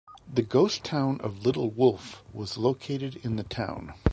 The ghost town of Little Wolf was located in the town.